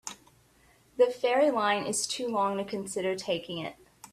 The ferry line is too long to consider taking it.